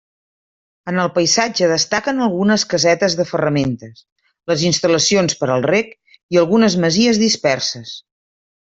En el paisatge destaquen algunes casetes de ferramentes, les instal·lacions per al reg i algunes masies disperses.